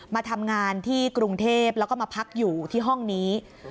มาทำงานที่กรุงเทพแล้วก็มาพักอยู่ที่ห้องนี้